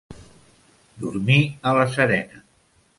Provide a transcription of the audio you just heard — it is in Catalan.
Dormir a la serena.